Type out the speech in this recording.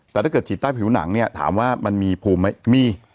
แต่ถ้าเกิดฉีดใต้ผิวหนังเนี่ยถามว่ามันมีภูมิไหมมี